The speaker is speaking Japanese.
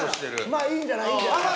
まあいいんじゃない？いいんじゃない？